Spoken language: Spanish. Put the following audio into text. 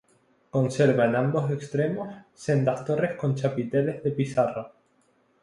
Conserva en ambos extremos sendas torres con chapiteles de pizarra.